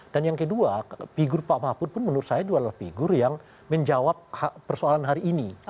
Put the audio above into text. dan yang kedua figur pak mahfud pun menurut saya adalah figur yang menjawab persoalan hari ini